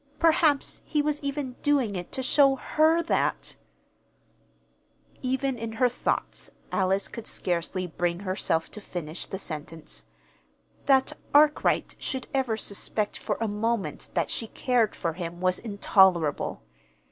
Perhaps he was even doing it to show her that Even in her thoughts Alice could scarcely bring herself to finish the sentence. That Arkwright should ever suspect for a moment that she cared for him was intolerable.